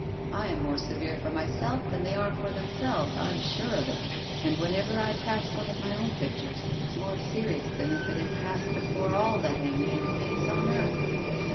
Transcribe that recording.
I am more severe for myself than they are for themselves, I'm sure of it; and whenever I pass one of my own pictures, it's more serious than if it had passed before all the hanging committees on earth.